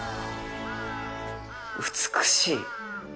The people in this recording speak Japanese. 美しい。